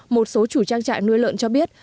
một số chủ trang trại nuôi lợn cho biết